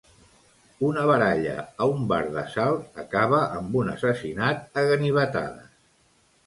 Una baralla a un bar de Salt acaba amb un assassinat a ganivetades.